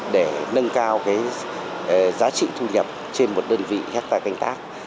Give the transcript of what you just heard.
để nâng cao giá trị thu nhập trên một đơn vị hectare canh tác